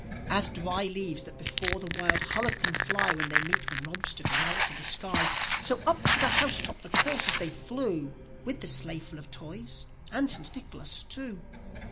s dry leaves that before the wild hurricane fly, When they meet with an obstacle, mount to the sky; So up to the house top the coursers they flew, With the sleigh full of Toys, and St. Nicholas too.